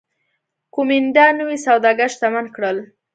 کومېنډا نوي سوداګر شتمن کړل